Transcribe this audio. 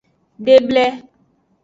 Deble.